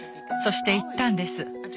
そして言ったんです。